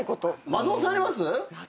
松本さんあります？